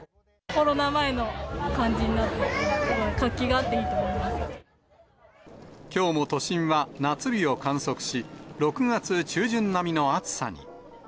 コロナ前の感じになって、きょうも都心は夏日を観測し、６月中旬並みの暑さに。